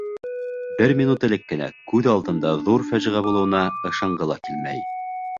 Бер минут элек кенә күҙ алдында ҙур фажиғә булыуына ышанғы ла килмәй.